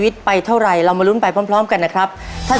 ท้ายในเวลา๓นาที